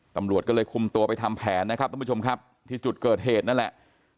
ตำรวจก็เลยคุมตัวไปทำแผนนะครับท่านผู้ชมครับที่จุดเกิดเหตุนั่นแหละ